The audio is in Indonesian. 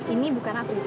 ini bukan aku